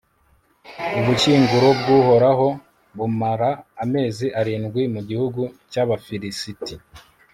ubushyinguro bw'uhoraho bumara amezi arindwi mu gihugu cy'abafilisiti